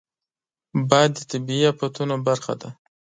باد د طبیعي افتونو برخه ده